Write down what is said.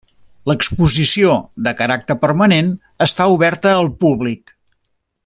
L'exposició, de caràcter permanent, està oberta al públic.